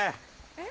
えっ？